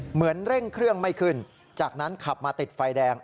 เหมือนเร่งเครื่องไม่ขึ้นจากนั้นขับมาติดไฟแดง